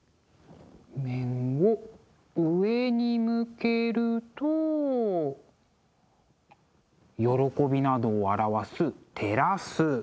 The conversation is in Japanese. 面を上に向けると喜びなどを表すテラス。